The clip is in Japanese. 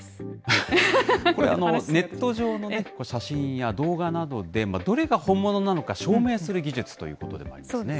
これ、ネット上のね、写真や動画などで、どれが本物なのか証明する技術ということでもありま